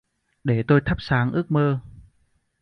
Để tôi thắp sáng ước mơ.